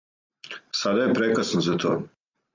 Сада је прекасно за то.